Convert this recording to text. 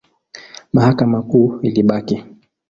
Mahakama Kuu ilibaki.